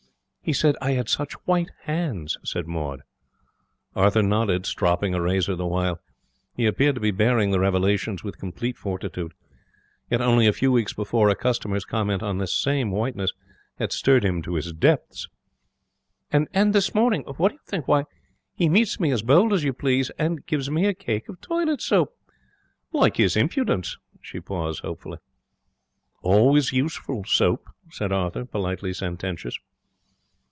'He said I had such white hands,' said Maud. Arthur nodded, stropping a razor the while. He appeared to be bearing the revelations with complete fortitude. Yet, only a few weeks before, a customer's comment on this same whiteness had stirred him to his depths. 'And this morning what do you think? Why, he meets me as bold as you please, and gives me a cake of toilet soap. Like his impudence!' She paused, hopefully. 'Always useful, soap,' said Arthur, politely sententious.